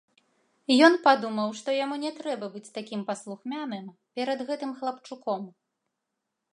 Ён падумаў, што яму не трэба быць такім паслухмяным перад гэтым хлапчуком.